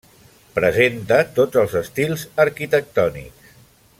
Presenta tots els estils arquitectònics.